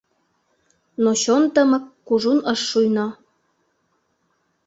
Но чон тымык кужун ыш шуйно.